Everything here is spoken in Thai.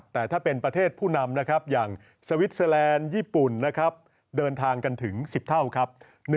แต่ถ้าเป็นประเทศผู้นำนะครับอย่างสวิสเตอร์แลนด์ญี่ปุ่นนะครับเดินทางกันถึง๑๐เท่าครับ